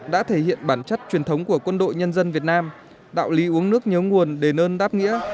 đã thể hiện bản chất truyền thống của quân đội nhân dân việt nam đạo lý uống nước nhớ nguồn đề nơn đáp nghĩa